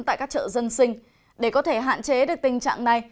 tại các chợ dân sinh để có thể hạn chế được tình trạng này